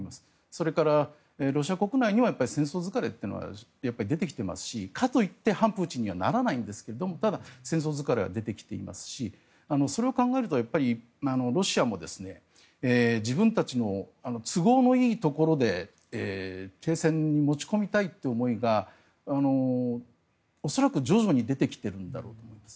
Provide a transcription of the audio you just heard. それからロシア国内にも戦争疲れというのが出ていますしかといって反プーチンにはならないんですがただ戦争疲れは出てきていますしそれを考えるとロシアも自分たちの都合のいいところで停戦に持ち込みたいという思いが恐らく、徐々に出てきているんだろうと思います。